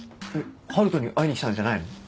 春斗に会いに来たんじゃないの？